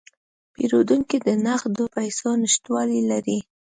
پیرودونکی د نغدو پیسو نشتوالی لري.